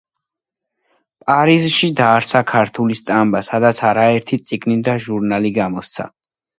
პარიზში დააარსა ქართული სტამბა, სადაც არაერთი წიგნი და ჟურნალი გამოსცა.